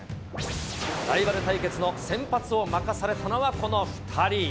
ライバル対決の先発を任されたのはこの２人。